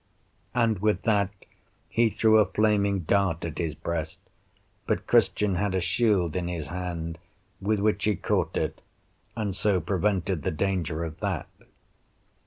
And with that he threw a flaming dart at his breast, but Christian had a shield in his hand, with which he caught it, and so prevented the danger of that.